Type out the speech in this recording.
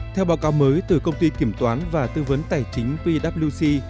theo báo cáo mới từ công ty kiểm toán và tư vấn tài chính pwc